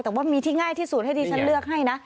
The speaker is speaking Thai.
แต่ว่ามีที่ง่ายที่สุดให้ดิฉันเลือกให้นะ